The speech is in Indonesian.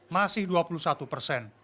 masih dua puluh satu persen